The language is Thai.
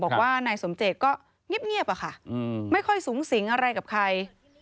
บอกว่านายสมเจตก็เงียบอะค่ะไม่ค่อยสูงสิงอะไรกับใคร